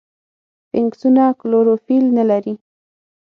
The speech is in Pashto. فنګسونه کلوروفیل نه لري.